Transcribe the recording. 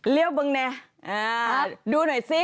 เลี้ยวมั่งแณให้ดูปัดนี้เลย